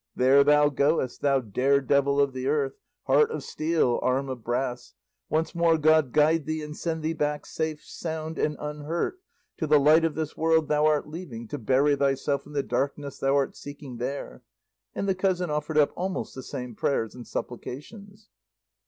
There thou goest, thou dare devil of the earth, heart of steel, arm of brass; once more, God guide thee and send thee back safe, sound, and unhurt to the light of this world thou art leaving to bury thyself in the darkness thou art seeking there;" and the cousin offered up almost the same prayers and supplications.